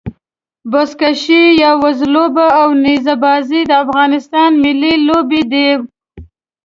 بزکشي يا وزلوبه او نيزه بازي د افغانستان ملي لوبي دي.